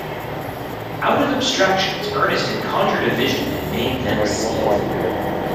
Out of abstractions Ernest had conjured a vision and made them see it.